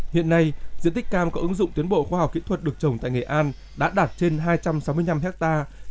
hiện nay diện tích cam có ứng dụng tiến bộ khoa học kỹ thuật được trồng tại nghệ an đã đạt trên hai trăm sáu mươi năm hectare